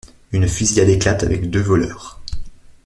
Une fusillade éclate avec deux voleurs.